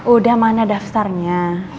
udah mana daftarnya